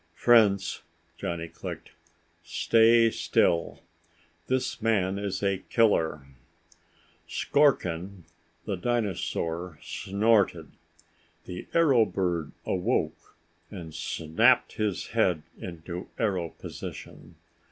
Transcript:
"Friends," Johnny clicked, "stay still. This man is a killer." Skorkin, the rhinosaur, snorted. The arrow bird awoke and snapped its head into arrow position.